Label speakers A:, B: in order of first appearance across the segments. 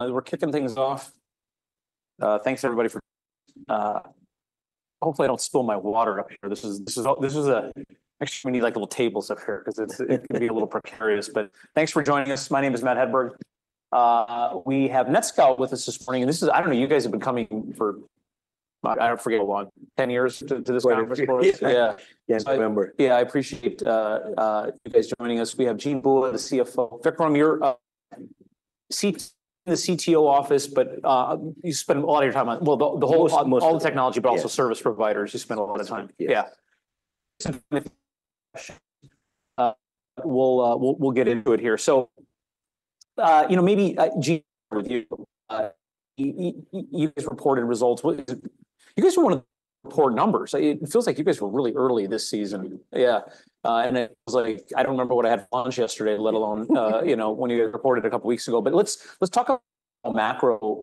A: We're kicking things off. Thanks, everybody. Hopefully, I don't spill my water up here. This is actually we need like little tables up here because it can be a little precarious. But thanks for joining us. My name is Matt Hedberg. We have NetScout with us this morning. And this is, I don't know, you guys have been coming for, I forget how long, 10 years to this point.
B: Yeah.
A: Yeah, I appreciate you guys joining us. We have Jean Bua, the CFO. Vic, from your seat in the CTO office, but you spend a lot of your time on, well, the whole technology, but also service providers. Yeah. We'll get into it here. So, you know, maybe with you, you guys reported results. You guys were one of the first numbers. It feels like you guys were really early this season. Yeah. And it was like, I don't remember what I had for lunch yesterday, let alone, you know, when you guys reported a couple of weeks ago. But let's talk about macro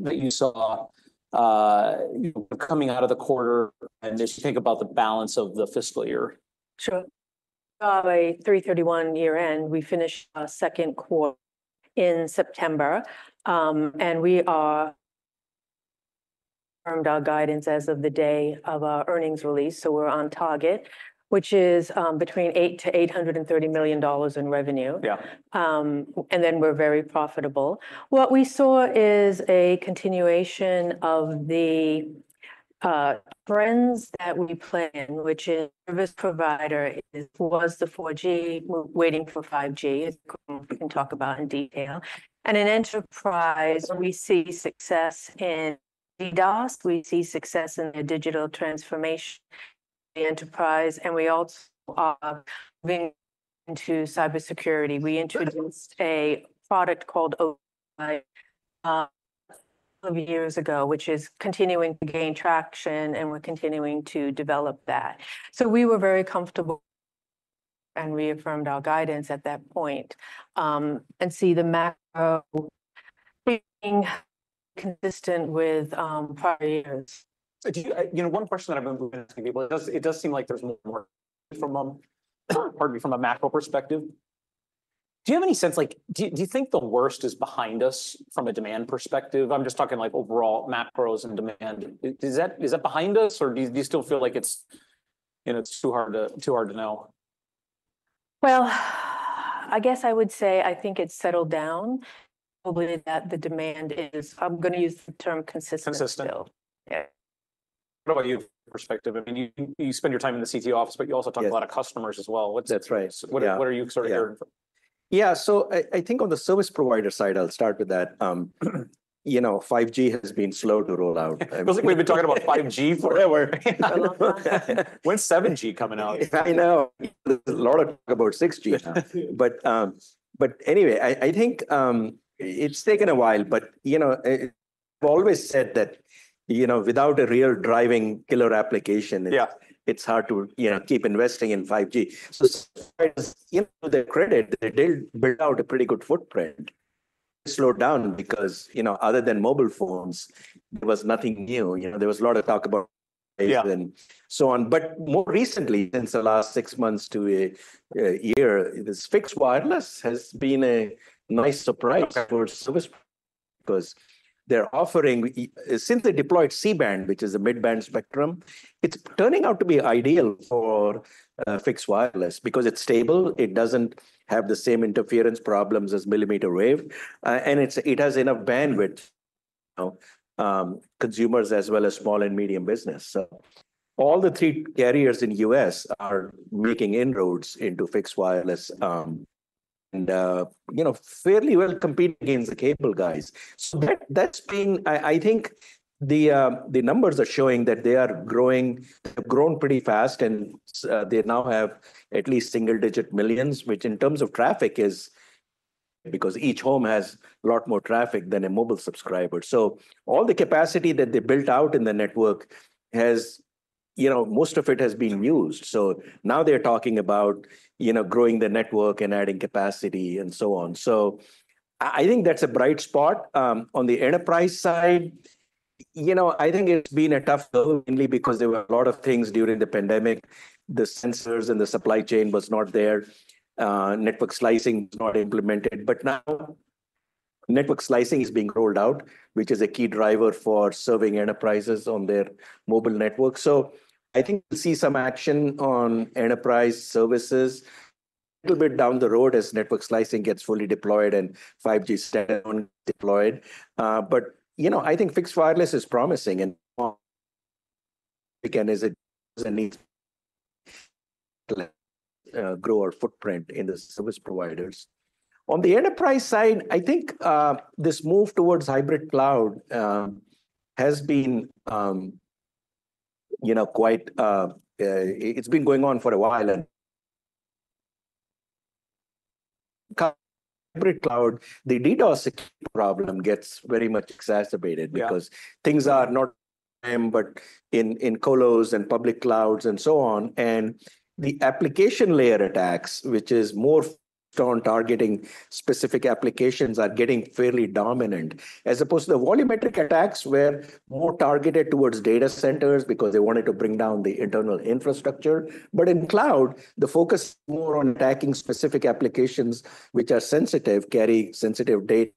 A: that you saw coming out of the quarter and just think about the balance of the fiscal year.
C: Sure. By 3/31 year end, we finished our second quarter in September. And we reaffirmed our guidance as of the day of our earnings release. So we're on target, which is between $780 and $830 million in revenue.
A: Yeah.
C: And then we're very profitable. What we saw is a continuation of the trends that we planned, which is service provider is, was the 4G waiting for 5G. We can talk about in detail. And in enterprise, we see success in DDoS. We see success in the digital transformation in enterprise. And we also are moving into cybersecurity. We introduced a product called OCI years ago, which is continuing to gain traction, and we're continuing to develop that. So we were very comfortable and reaffirmed our guidance at that point and see the macro being consistent with prior years.
A: You know, one question that I've been asking people. It does seem like there's more from a, pardon me, from a macro perspective. Do you have any sense, like, do you think the worst is behind us from a demand perspective? I'm just talking like overall macros and demand. Is that behind us or do you still feel like it's, you know, too hard to know?
C: I guess I would say I think it's settled down, probably that the demand is. I'm going to use the term consistent.
A: Consistent.
C: Yeah.
A: What about your perspective? I mean, you spend your time in the CTO office, but you also talk to a lot of customers as well. What are you sort of hearing?
B: Yeah. So I think on the service provider side, I'll start with that. You know, 5G has been slow to roll out.
A: We've been talking about 5G forever. When's 7G coming out?
B: I know. There's a lot of talk about 6G now, but anyway, I think it's taken a while, but you know, I've always said that, you know, without a real driving killer application, it's hard to, you know, keep investing in 5G, so you know, the credit they did build out a pretty good footprint. It slowed down because, you know, other than mobile phones, there was nothing new. You know, there was a lot of talk about and so on, but more recently, since the last six months to a year, this fixed wireless has been a nice surprise for service because they're offering, since they deployed C-band, which is a mid-band spectrum, it's turning out to be ideal for fixed wireless because it's stable. It doesn't have the same interference problems as millimeter wave. It has enough bandwidth, you know, consumers as well as small and medium business. So all the three carriers in the U.S. are making inroads into fixed wireless and, you know, fairly well competing against the cable guys. So that's been, I think the numbers are showing that they are growing, they've grown pretty fast and they now have at least single digit millions, which in terms of traffic is because each home has a lot more traffic than a mobile subscriber. So all the capacity that they built out in the network has, you know, most of it has been used. So now they're talking about, you know, growing the network and adding capacity and so on. So I think that's a bright spot on the enterprise side. You know, I think it's been a tough goal mainly because there were a lot of things during the pandemic. The sensors and the supply chain was not there. Network slicing was not implemented, but now network slicing is being rolled out, which is a key driver for serving enterprises on their mobile network. So I think we'll see some action on enterprise services a little bit down the road as network slicing gets fully deployed and 5G step deployed. But, you know, I think fixed wireless is promising and again, as it needs to grow our footprint in the service providers. On the enterprise side, I think this move towards hybrid cloud has been, you know, quite, it's been going on for a while. Hybrid cloud, the DDoS problem gets very much exacerbated because things are not, but in colos and public clouds and so on. The application layer attacks, which is more on targeting specific applications, are getting fairly dominant as opposed to the volumetric attacks where more targeted towards data centers because they wanted to bring down the internal infrastructure. In cloud, the focus is more on attacking specific applications which are sensitive, carry sensitive data.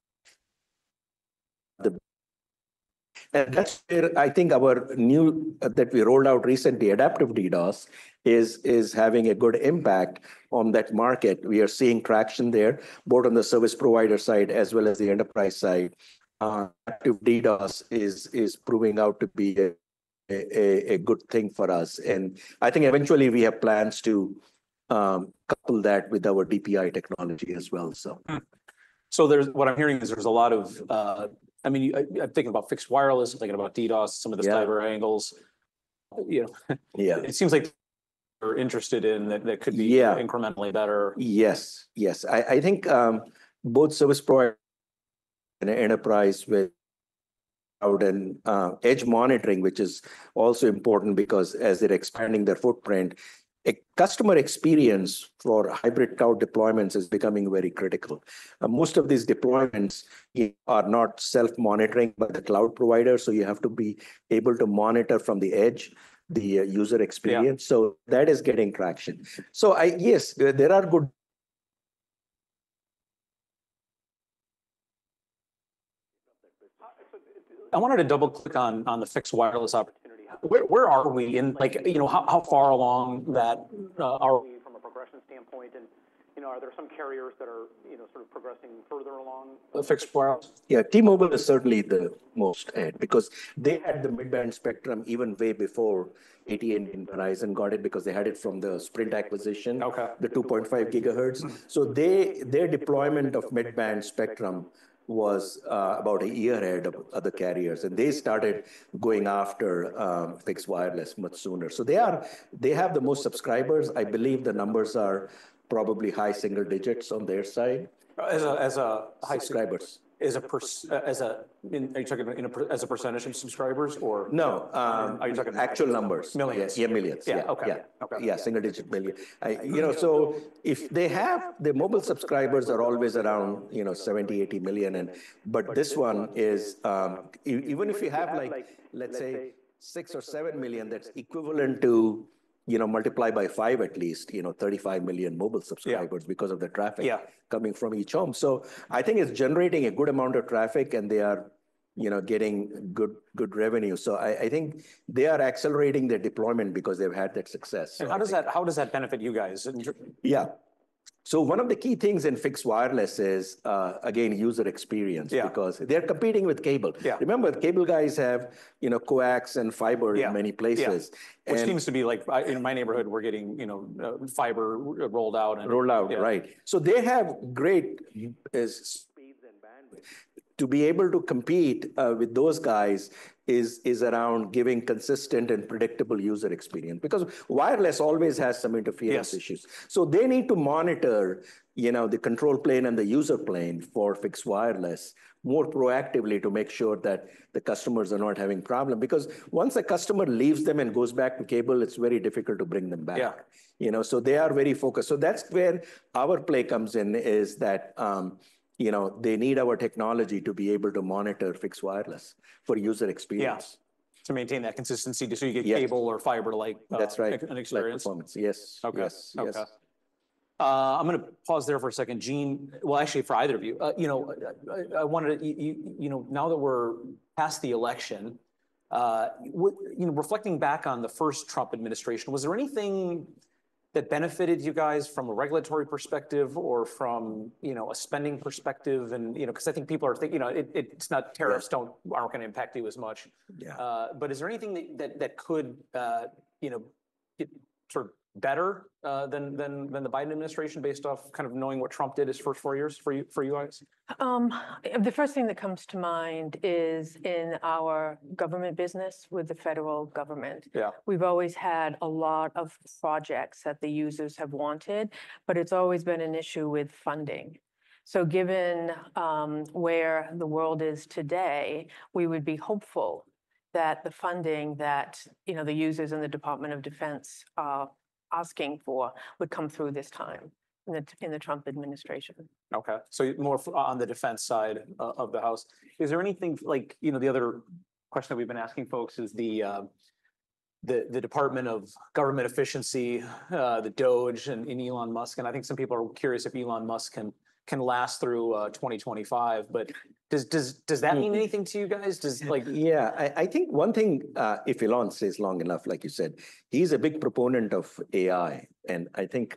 B: That's where I think our new, that we rolled out recently, Adaptive DDoS is having a good impact on that market. We are seeing traction there, both on the service provider side as well as the enterprise side. Adaptive DDoS is proving out to be a good thing for us. I think eventually we have plans to couple that with our DPI technology as well.
A: So, what I'm hearing is there's a lot of, I mean, I'm thinking about fixed wireless, I'm thinking about DDoS, some of the cyber angles. You know, it seems like we're interested in that could be incrementally better.
B: Yes. Yes. I think both service providers and enterprise with cloud and edge monitoring, which is also important because as they're expanding their footprint, customer experience for hybrid cloud deployments is becoming very critical. Most of these deployments are not self-monitoring by the cloud provider. So you have to be able to monitor from the edge, the user experience. So that is getting traction. So I, yes, there are good.
A: I wanted to double click on the fixed wireless opportunity. Where are we in, like, you know, how far along that are we from a progression standpoint, and, you know, are there some carriers that are, you know, sort of progressing further along?
B: Fixed wireless. Yeah. T-Mobile is certainly the most ahead because they had the mid-band spectrum even way before AT&T and Verizon got it because they had it from the Sprint acquisition, the 2.5 gigahertz. So their deployment of mid-band spectrum was about a year ahead of other carriers. And they started going after fixed wireless much sooner. So they are, they have the most subscribers. I believe the numbers are probably high single digits on their side.
A: As a high subscribers. Are you talking as a percentage of subscribers or?
B: No, are you talking actual numbers?
A: Millions.
B: Yeah, millions. Yeah.
A: Okay.
B: Yeah. Yeah. Single digit million. You know, so if they have, the mobile subscribers are always around, you know, 70-80 million. And, but this one is, even if you have like, let's say six or seven million, that's equivalent to, you know, multiply by five at least, you know, 35 million mobile subscribers because of the traffic coming from each home. So I think it's generating a good amount of traffic and they are, you know, getting good, good revenue. So I think they are accelerating their deployment because they've had that success.
A: How does that benefit you guys?
B: Yeah, so one of the key things in fixed wireless is, again, user experience because they're competing with cable. Remember, cable guys have, you know, coax and fiber in many places.
A: Which seems to be like, in my neighborhood, we're getting, you know, fiber rolled out and.
B: Rolled out, right, so they have great speeds and bandwidth. To be able to compete with those guys is around giving consistent and predictable user experience because wireless always has some interference issues, so they need to monitor, you know, the control plane and the user plane for fixed wireless more proactively to make sure that the customers are not having problems. Because once a customer leaves them and goes back to cable, it's very difficult to bring them back. You know, so they are very focused, so that's where our play comes in is that, you know, they need our technology to be able to monitor fixed wireless for user experience.
A: To maintain that consistency so you get cable or fiber-like.
B: That's right.
A: An experience. Performance. Yes. Okay. I'm going to pause there for a second, Jean. Well, actually for either of you, you know, I wanted to, you know, now that we're past the election, you know, reflecting back on the first Trump administration, was there anything that benefited you guys from a regulatory perspective or from, you know, a spending perspective? And, you know, because I think people are thinking, you know, it's not, tariffs don't, aren't going to impact you as much. But is there anything that could, you know, get sort of better than the Biden administration based off kind of knowing what Trump did his first four years for you guys?
C: The first thing that comes to mind is in our government business with the federal government. We've always had a lot of projects that the users have wanted, but it's always been an issue with funding. So given where the world is today, we would be hopeful that the funding that, you know, the users and the Department of Defense are asking for would come through this time in the Trump administration.
A: Okay. So more on the defense side of the house. Is there anything like, you know, the other question that we've been asking folks is the Department of Government Efficiency, the DOGE and Elon Musk. And I think some people are curious if Elon Musk can last through 2025, but does that mean anything to you guys?
B: Yeah. I think one thing, if Elon stays long enough, like you said, he's a big proponent of AI. And I think,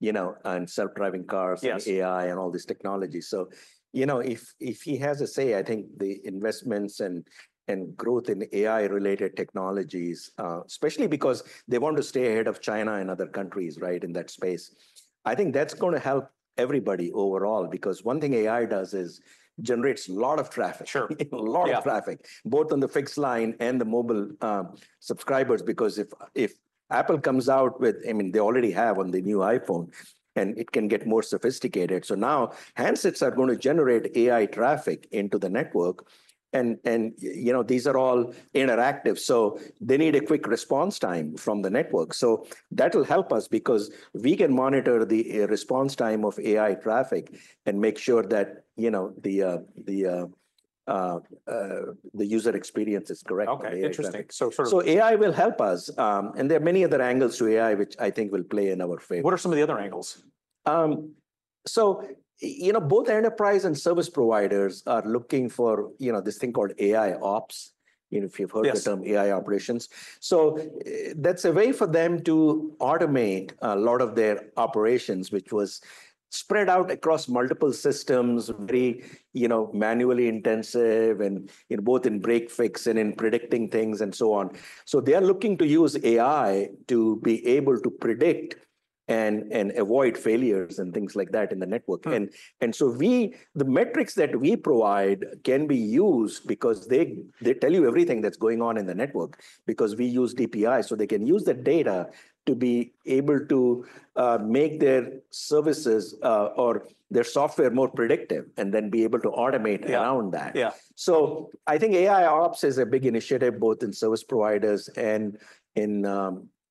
B: you know, and self-driving cars and AI and all this technology. So, you know, if he has a say, I think the investments and growth in AI-related technologies, especially because they want to stay ahead of China and other countries, right, in that space, I think that's going to help everybody overall because one thing AI does is generates a lot of traffic.
A: Sure.
B: A lot of traffic, both on the fixed line and the mobile subscribers because if Apple comes out with, I mean, they already have on the new iPhone and it can get more sophisticated. So now handsets are going to generate AI traffic into the network. And, you know, these are all interactive. So they need a quick response time from the network. So that'll help us because we can monitor the response time of AI traffic and make sure that, you know, the user experience is correct.
A: Okay. Interesting, so sort of.
B: So AI will help us. And there are many other angles to AI, which I think will play in our favor.
A: What are some of the other angles?
B: So, you know, both enterprise and service providers are looking for, you know, this thing called AIOps. You know, if you've heard the term AI operations. So that's a way for them to automate a lot of their operations, which was spread out across multiple systems, very, you know, manually intensive and both in break-fix and in predicting things and so on. So they are looking to use AI to be able to predict and avoid failures and things like that in the network. And so we, the metrics that we provide can be used because they tell you everything that's going on in the network because we use DPI. So they can use the data to be able to make their services or their software more predictive and then be able to automate around that. So I think AIOps is a big initiative both in service providers and in,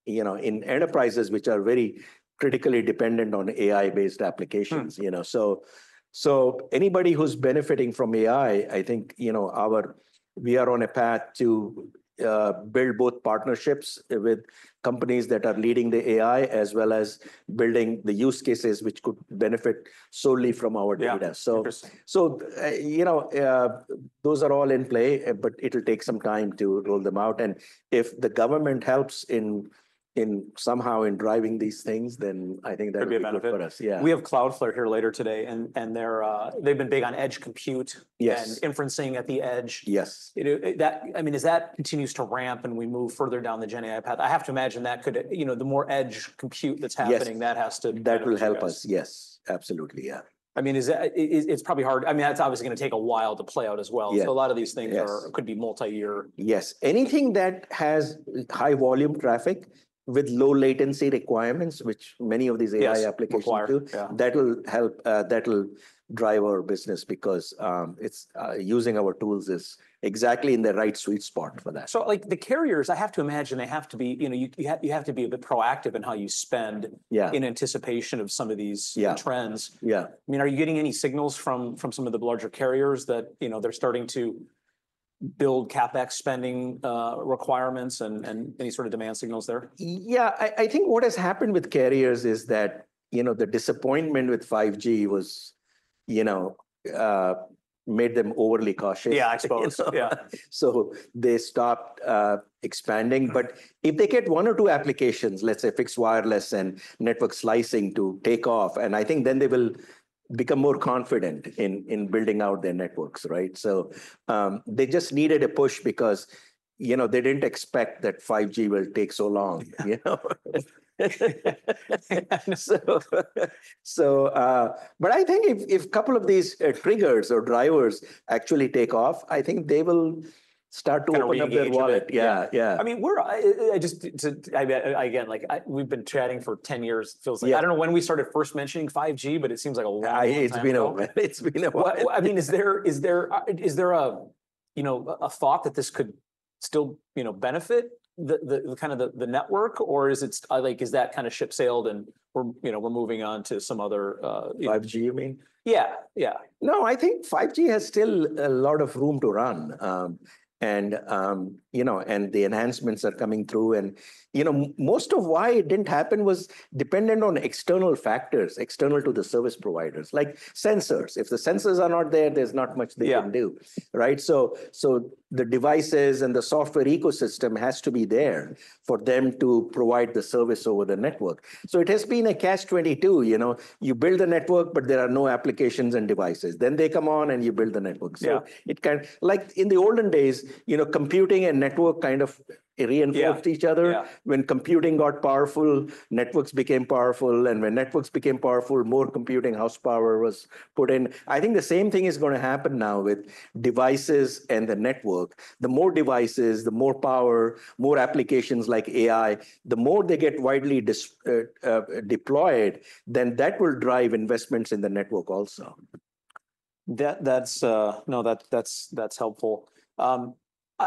B: you know, in enterprises which are very critically dependent on AI-based applications, you know. So, so anybody who's benefiting from AI, I think, you know, we are on a path to build both partnerships with companies that are leading the AI as well as building the use cases which could benefit solely from our data. So, you know, those are all in play, but it'll take some time to roll them out. And if the government helps in somehow in driving these things, then I think that would be a benefit for us.
A: We have Cloudflare here later today and they've been big on edge compute and inferencing at the edge.
B: Yes.
A: I mean, as that continues to ramp and we move further down the Gen AI path, I have to imagine that could, you know, the more edge compute that's happening, that has to.
B: That will help us. Yes. Absolutely. Yeah.
A: I mean, it's probably hard. I mean, that's obviously going to take a while to play out as well. So a lot of these things could be multi-year.
B: Yes. Anything that has high volume traffic with low latency requirements, which many of these AI applications do, that'll help, that'll drive our business because using our tools is exactly in the right sweet spot for that.
A: So like the carriers, I have to imagine they have to be, you know, you have to be a bit proactive in how you spend in anticipation of some of these trends.
B: Yeah.
A: I mean, are you getting any signals from some of the larger carriers that, you know, they're starting to build CapEx spending requirements and any sort of demand signals there?
B: Yeah. I think what has happened with carriers is that, you know, the disappointment with 5G was, you know, made them overly cautious.
A: Yeah. I suppose.
B: Yeah. So they stopped expanding. But if they get one or two applications, let's say fixed wireless and network slicing to take off, and I think then they will become more confident in building out their networks, right? So they just needed a push because, you know, they didn't expect that 5G will take so long. So, but I think if a couple of these triggers or drivers actually take off, I think they will start to open up their wallet. Yeah. Yeah.
A: I mean, again, like we've been chatting for 10 years. It feels like, I don't know when we started first mentioning 5G, but it seems like a long time.
B: It's been a while.
A: I mean, is there a thought that this could still benefit the kind of the network or is it like that kind of ship sailed and we're moving on to some other?
B: 5G, you mean?
A: Yeah. Yeah.
B: No, I think 5G has still a lot of room to run. And, you know, and the enhancements are coming through. And, you know, most of why it didn't happen was dependent on external factors, external to the service providers, like sensors. If the sensors are not there, there's not much they can do, right? So, so the devices and the software ecosystem has to be there for them to provide the service over the network. So it has been a catch-22, you know, you build a network, but there are no applications and devices. Then they come on and you build the network. So it kind of, like in the olden days, you know, computing and network kind of reinforced each other. When computing got powerful, networks became powerful. And when networks became powerful, more computing horsepower was put in. I think the same thing is going to happen now with devices and the network. The more devices, the more power, more applications like AI, the more they get widely deployed, then that will drive investments in the network also.
A: That's, no, that's helpful.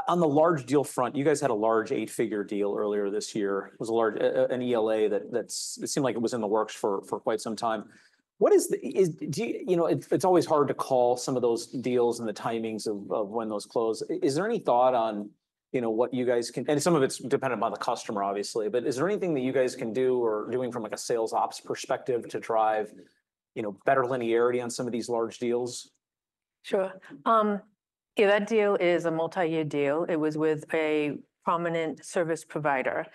A: On the large deal front, you guys had a large eight-figure deal earlier this year. It was a large, an ELA that seemed like it was in the works for quite some time. What is the, you know, it's always hard to call some of those deals and the timings of when those close. Is there any thought on, you know, what you guys can, and some of it's dependent on the customer, obviously, but is there anything that you guys can do or doing from like a sales ops perspective to drive, you know, better linearity on some of these large deals?
C: Sure. Yeah. That deal is a multi-year deal. It was with a prominent service provider,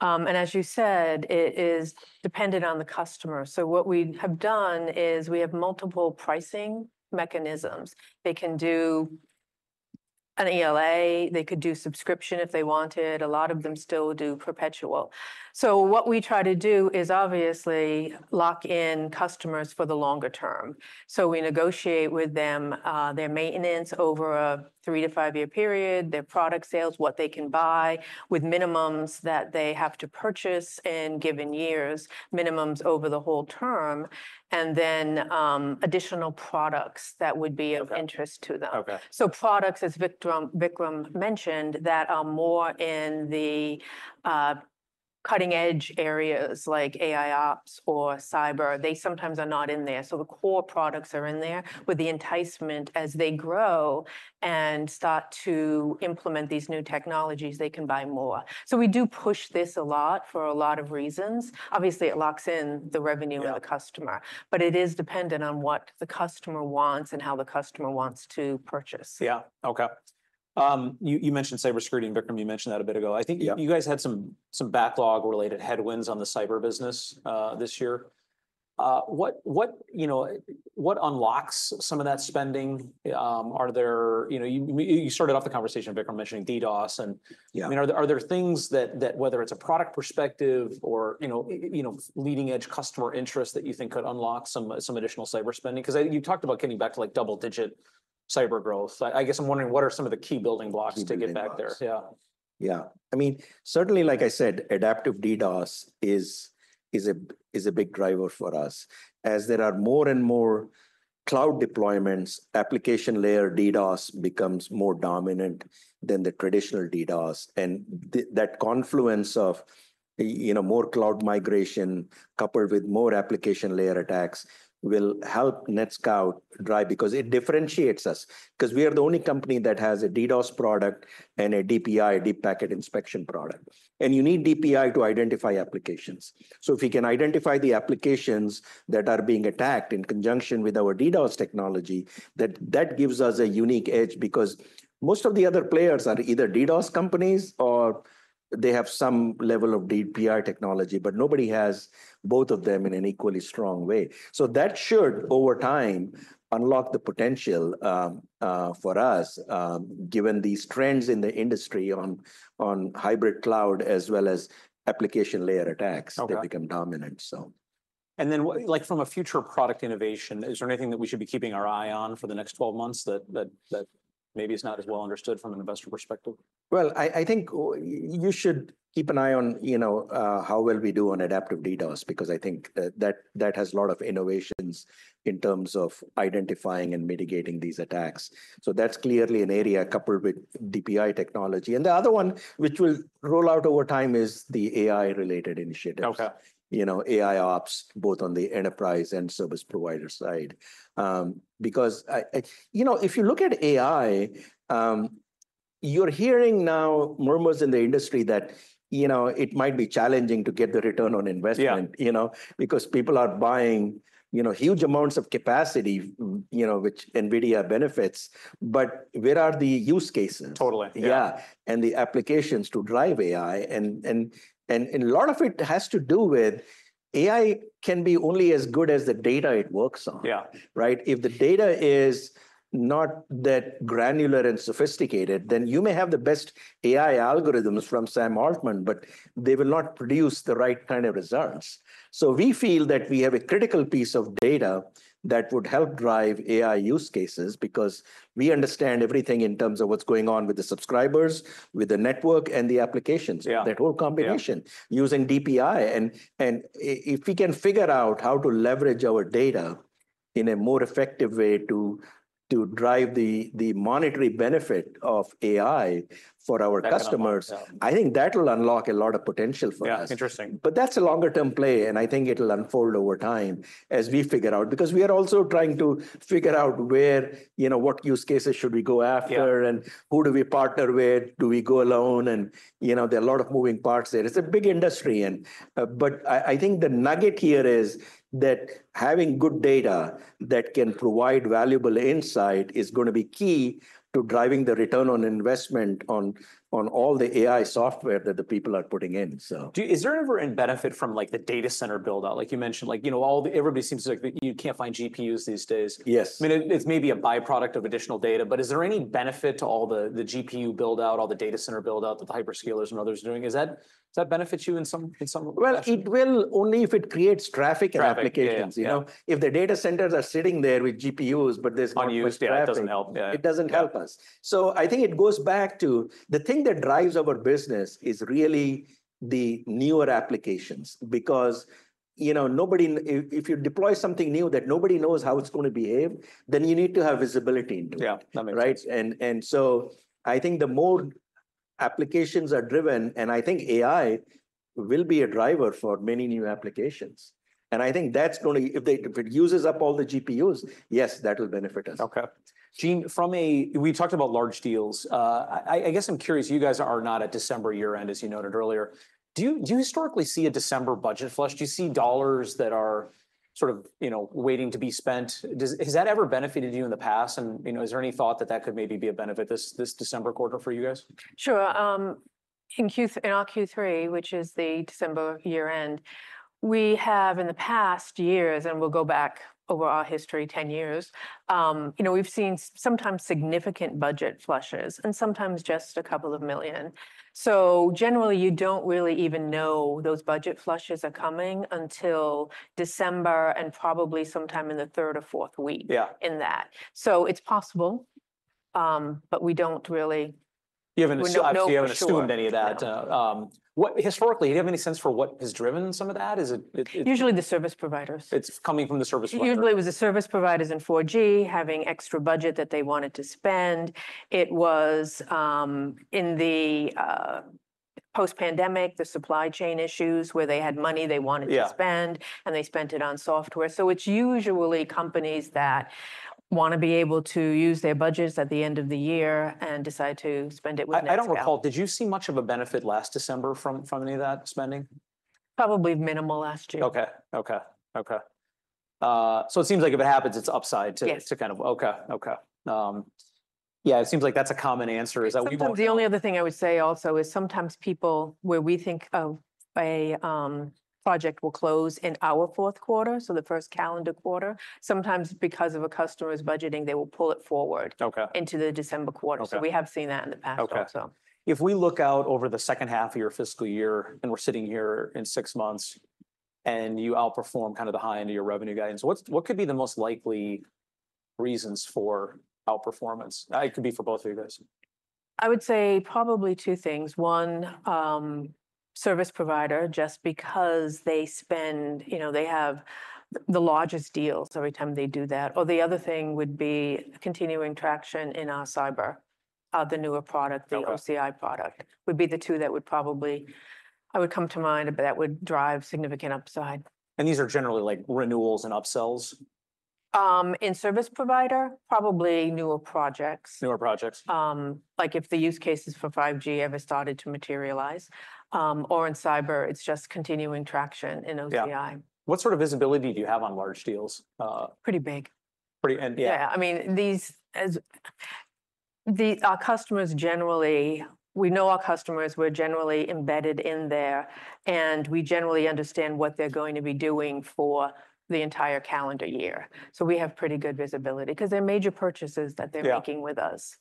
C: and as you said, it is dependent on the customer, so what we have done is we have multiple pricing mechanisms. They can do an ELA. They could do subscription if they wanted. A lot of them still do perpetual, so what we try to do is obviously lock in customers for the longer term, so we negotiate with them their maintenance over a three-to-five-year period, their product sales, what they can buy with minimums that they have to purchase in given years, minimums over the whole term, and then additional products that would be of interest to them, so products, as Vikram mentioned, that are more in the cutting-edge areas like AIops or cyber, they sometimes are not in there. So the core products are in there with the incentive as they grow and start to implement these new technologies, they can buy more. So we do push this a lot for a lot of reasons. Obviously, it locks in the revenue of the customer, but it is dependent on what the customer wants and how the customer wants to purchase.
A: Yeah. Okay. You mentioned cybersecurity and Vikram, you mentioned that a bit ago. I think you guys had some backlog related headwinds on the cyber business this year. What, you know, what unlocks some of that spending? Are there, you know, you started off the conversation, Vikram mentioning DDoS and, I mean, are there things that, whether it's a product perspective or, you know, leading-edge customer interests that you think could unlock some additional cyber spending? Because you talked about getting back to like double-digit cyber growth. I guess I'm wondering what are some of the key building blocks to get back there?
B: Yeah. Yeah. I mean, certainly, like I said, adaptive DDoS is a big driver for us. As there are more and more cloud deployments, application layer DDoS becomes more dominant than the traditional DDoS. And that confluence of, you know, more cloud migration coupled with more application layer attacks will help NetScout drive because it differentiates us. Because we are the only company that has a DDoS product and a DPI, deep packet inspection product. And you need DPI to identify applications. So if we can identify the applications that are being attacked in conjunction with our DDoS technology, that gives us a unique edge because most of the other players are either DDoS companies or they have some level of DPI technology, but nobody has both of them in an equally strong way. So that should, over time, unlock the potential for us given these trends in the industry on hybrid cloud as well as application layer attacks that become dominant.
A: And then like from a future product innovation, is there anything that we should be keeping our eye on for the next 12 months that maybe is not as well understood from an investor perspective?
B: I think you should keep an eye on, you know, how well we do on adaptive DDoS because I think that has a lot of innovations in terms of identifying and mitigating these attacks. That's clearly an area coupled with DPI technology. The other one which will roll out over time is the AI-related initiatives.
A: Okay.
B: You know, AIOps, both on the enterprise and service provider side. Because, you know, if you look at AI, you're hearing now murmurs in the industry that, you know, it might be challenging to get the return on investment, you know, because people are buying, you know, huge amounts of capacity, you know, which NVIDIA benefits. But where are the use cases?
A: Totally.
B: Yeah. And the applications to drive AI. And a lot of it has to do with AI can be only as good as the data it works on.
A: Yeah.
B: Right? If the data is not that granular and sophisticated, then you may have the best AI algorithms from Sam Altman, but they will not produce the right kind of results. So we feel that we have a critical piece of data that would help drive AI use cases because we understand everything in terms of what's going on with the subscribers, with the network and the applications.
A: Yeah.
B: That whole combination using DPI. And if we can figure out how to leverage our data in a more effective way to drive the monetary benefit of AI for our customers, I think that'll unlock a lot of potential for us.
A: Yeah. Interesting.
B: That's a longer-term play. I think it'll unfold over time as we figure out, because we are also trying to figure out where, you know, what use cases should we go after and who do we partner with? Do we go alone? You know, there are a lot of moving parts there. It's a big industry. But I think the nugget here is that having good data that can provide valuable insight is going to be key to driving the return on investment on all the AI software that the people are putting in.
A: Is there ever any benefit from like the data center buildout? Like you mentioned, like, you know, everybody seems like you can't find GPUs these days.
B: Yes.
A: I mean, it's maybe a byproduct of additional data, but is there any benefit to all the GPU buildout, all the data center buildout that the hyperscalers and others are doing? Does that benefit you in some way?
B: It will only if it creates traffic and applications. You know, if the data centers are sitting there with GPUs, but there's no use.
A: Unused traffic.
B: It doesn't help us, so I think it goes back to the thing that drives our business is really the newer applications because, you know, if you deploy something new that nobody knows how it's going to behave, then you need to have visibility into it.
A: Yeah. That makes sense.
B: Right? And so I think the more applications are driven, and I think AI will be a driver for many new applications. And I think that's going to, if it uses up all the GPUs, yes, that'll benefit us.
A: Okay. From a, we talked about large deals. I guess I'm curious, you guys are not at December year-end, as you noted earlier. Do you historically see a December budget flush? Do you see dollars that are sort of, you know, waiting to be spent? Has that ever benefited you in the past? And, you know, is there any thought that that could maybe be a benefit this December quarter for you guys?
C: Sure. In Q3, which is the December year-end, we have in the past years, and we'll go back over our history, 10 years, you know, we've seen sometimes significant budget flushes and sometimes just a couple of million. So generally, you don't really even know those budget flushes are coming until December and probably sometime in the third or fourth week in that. So it's possible, but we don't really.
A: You haven't assumed any of that. Historically, do you have any sense for what has driven some of that?
C: Usually the service providers.
A: It's coming from the service providers.
C: Usually it was the service providers in 4G having extra budget that they wanted to spend. It was in the post-pandemic, the supply chain issues where they had money they wanted to spend and they spent it on software. So it's usually companies that want to be able to use their budgets at the end of the year and decide to spend it with NetScout.
A: I don't recall, did you see much of a benefit last December from any of that spending?
C: Probably minimal last year.
A: Okay. So it seems like if it happens, it's upside to kind of.
C: Yeah.
A: It seems like that's a common answer.
C: The only other thing I would say also is sometimes people, where we think a project will close in our fourth quarter, so the first calendar quarter, sometimes because of a customer's budgeting, they will pull it forward into the December quarter. So we have seen that in the past also.
A: Okay. If we look out over the second half of your fiscal year and we're sitting here in six months and you outperform kind of the high end of your revenue guidance, what could be the most likely reasons for outperformance? It could be for both of you guys.
C: I would say probably two things. One, service provider, just because they spend, you know, they have the largest deals every time they do that. Or the other thing would be continuing traction in our cyber, the newer product, the OCI product would be the two that would probably, I would come to mind, that would drive significant upside.
A: These are generally like renewals and upsells?
C: In service provider, probably newer projects.
A: Newer projects.
C: Like if the use cases for 5G ever started to materialize or in cyber, it's just continuing traction in OCI.
A: What sort of visibility do you have on large deals?
C: Pretty big.
A: Pretty, yeah.
C: Yeah. I mean, our customers generally, we know our customers, we're generally embedded in there and we generally understand what they're going to be doing for the entire calendar year. So we have pretty good visibility because they're major purchases that they're making with us.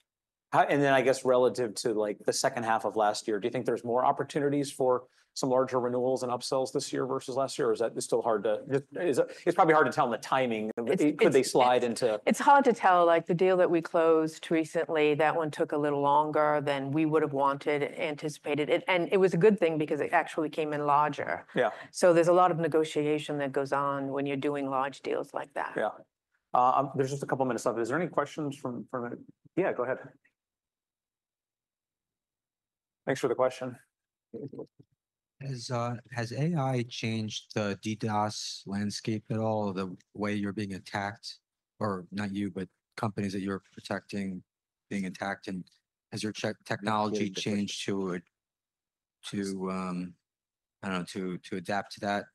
A: I guess relative to like the second half of last year, do you think there's more opportunities for some larger renewals and upsells this year versus last year? Or is that still hard? It's probably hard to tell on the timing. Could they slide into?
C: It's hard to tell. Like the deal that we closed recently, that one took a little longer than we would have wanted and anticipated, and it was a good thing because it actually came in larger.
A: Yeah.
C: There's a lot of negotiation that goes on when you're doing large deals like that.
A: Yeah. There's just a couple of minutes left. Is there any questions from, yeah, go ahead. Thanks for the question. Has AI changed the DDoS landscape at all, the way you're being attacked? Or not you, but companies that you're protecting being attacked. And has your technology changed to, I don't know, to adapt to that?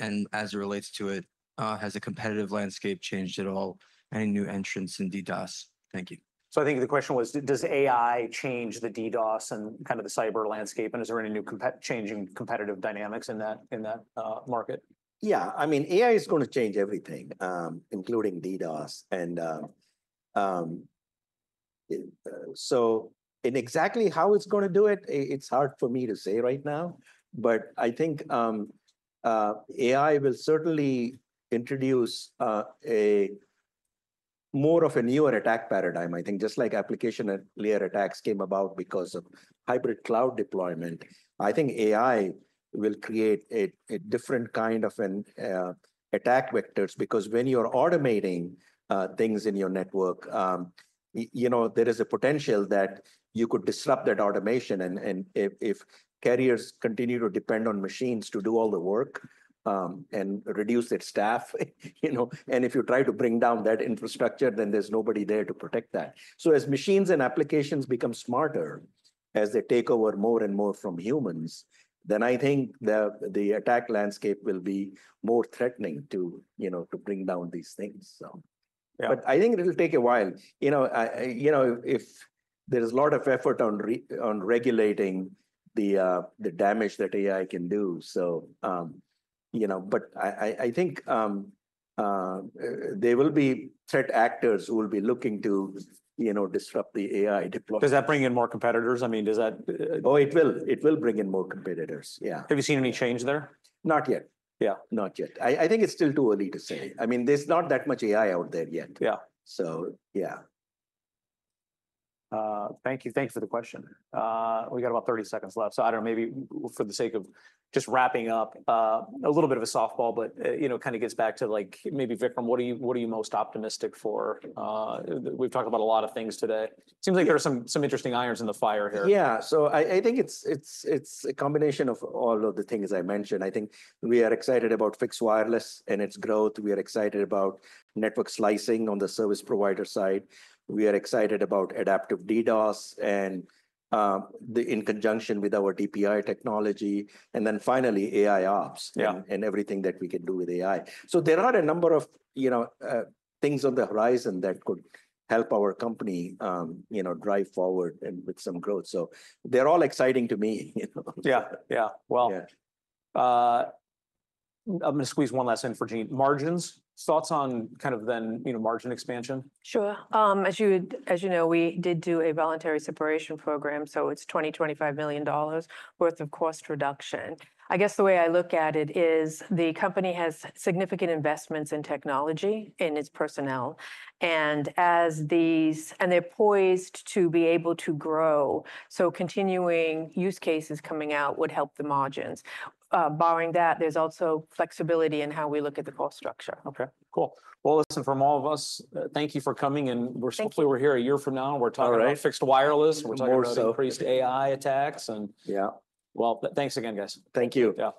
A: And as it relates to it, has a competitive landscape changed at all? Any new entrants in DDoS? Thank you. I think the question was, does AI change the DDoS and kind of the cyber landscape? And is there any new changing competitive dynamics in that market?
B: Yeah. I mean, AI is going to change everything, including DDoS. And so exactly how it's going to do it, it's hard for me to say right now. But I think AI will certainly introduce more of a newer attack paradigm, I think, just like application layer attacks came about because of hybrid cloud deployment. I think AI will create a different kind of attack vectors because when you're automating things in your network, you know, there is a potential that you could disrupt that automation. And if carriers continue to depend on machines to do all the work and reduce their staff, you know, and if you try to bring down that infrastructure, then there's nobody there to protect that. As machines and applications become smarter, as they take over more and more from humans, then I think the attack landscape will be more threatening to, you know, to bring down these things.
A: Yeah.
B: But I think it'll take a while. You know, if there's a lot of effort on regulating the damage that AI can do. So, you know, but I think there will be threat actors who will be looking to, you know, disrupt the AI deployment.
A: Does that bring in more competitors? I mean, does that?
B: Oh, it will. It will bring in more competitors. Yeah.
A: Have you seen any change there?
B: Not yet. Yeah. Not yet. I think it's still too early to say. I mean, there's not that much AI out there yet.
A: Yeah.
B: So yeah.
A: Thank you. Thank you for the question. We got about 30 seconds left. So I don't know, maybe for the sake of just wrapping up a little bit of a softball, but, you know, kind of gets back to like maybe Vikram, what are you most optimistic for? We've talked about a lot of things today. Seems like there are some interesting irons in the fire here.
B: Yeah. So I think it's a combination of all of the things I mentioned. I think we are excited about fixed wireless and its growth. We are excited about network slicing on the service provider side. We are excited about adaptive DDoS and in conjunction with our DPI technology. And then finally, AIops and everything that we can do with AI. So there are a number of, you know, things on the horizon that could help our company, you know, drive forward and with some growth. So they're all exciting to me.
A: Yeah. Yeah. Well, I'm going to squeeze one last in for Jean. Margins, thoughts on kind of then, you know, margin expansion?
C: Sure. As you know, we did do a voluntary separation program. So it's $20-$25 million worth of cost reduction. I guess the way I look at it is the company has significant investments in technology in its personnel. And as these, and they're poised to be able to grow. So continuing use cases coming out would help the margins. Barring that, there's also flexibility in how we look at the cost structure.
A: Okay. Cool. Listen, from all of us, thank you for coming, and hopefully we're here a year from now. We're talking about fixed wireless. We're talking about increased AI attacks, and yeah. Thanks again, guys.
B: Thank you.